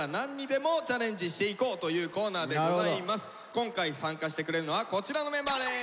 今回参加してくれるのはこちらのメンバーです。